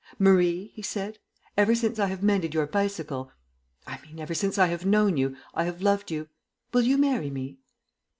"Marie," he said, "ever since I have mended your bicycle I mean, ever since I have known you, I have loved you. Will you marry me?"